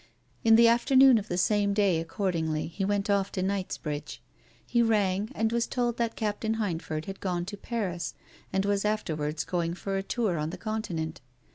In the afternoon of the same day, accordingly, he went off to Knightsbridge. He rang, and was told that Captain Hindford had gone to Paris and was afterwards going for a tour on the Continent.